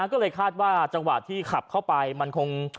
ก็เลยคาดว่าจังหวะที่ขับเข้าไปมันคง